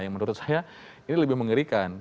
yang menurut saya ini lebih mengerikan